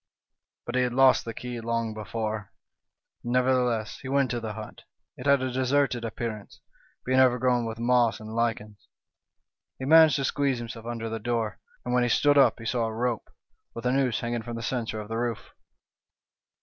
" But he had lost the key long before. "Nevertheless, he went to the hut. It had a deserted appearance, being overgrown with moss and lichens. " He managed to squeeze himself under the door, and when he stood up he saw a rope, with a noose hang ing from the centre of the roof.